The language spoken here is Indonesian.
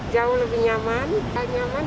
jauh lebih nyaman